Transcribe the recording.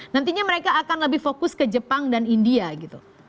nantinya mereka akan lebih fokus ke jepang dan india gitu